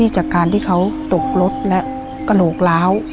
จากการที่เขาตกรถและกระโหลกล้าว